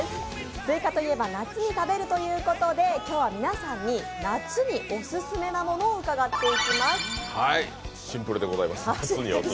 スイカといえば夏に食べるということで今日は皆さんに「夏にオススメなもの」を伺っていきます。